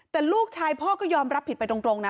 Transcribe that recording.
แต่ลูกชายพ่อก็ยอมรับผิดไปตรงนะ